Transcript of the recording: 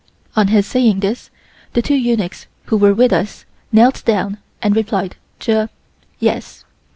On his saying this, the two eunuchs who were with us knelt down and replied "Jur" (Yes).